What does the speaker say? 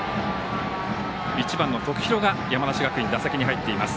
１番の徳弘が山梨学院打席に入っています。